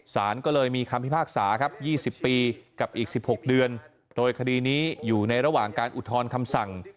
สารก็เลยมีคำพิพากษาครับ๒๐ปีกับอีก๑๖เดือนโดยคดีนี้อยู่ในระหว่างการอุทธรณ์คำสั่ง